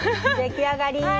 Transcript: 出来上がり！